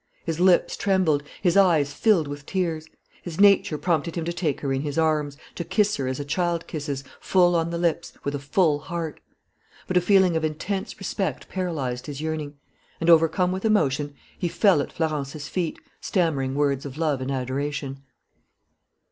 His lips trembled. His eyes filled with tears. His nature prompted him to take her in his arms, to kiss her as a child kisses, full on the lips, with a full heart. But a feeling of intense respect paralyzed his yearning. And, overcome with emotion, he fell at Florence's feet, stammering words of love and adoration.